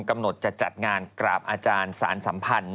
กำหนดจะจัดงานกราบอาจารย์สารสัมพันธ์